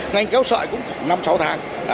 ngành kéo sợi cũng khoảng năm sáu tháng